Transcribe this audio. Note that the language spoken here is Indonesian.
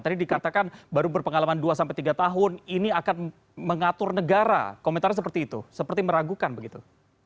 tadi dikatakan baru berpengalaman dua sampai tiga tahun ini akan mengatur negara komentarnya seperti itu seperti meragukan begitu